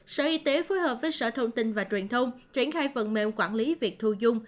sở y tế phối hợp với sở thông tin và truyền thông triển khai phần mềm quản lý việc thu dung